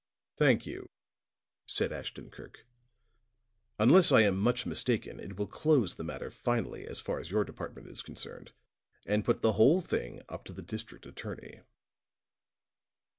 "Thank you," said Ashton Kirk. "Unless I am much mistaken it will close the matter finally as far as your department is concerned, and put the whole thing up to the District Attorney."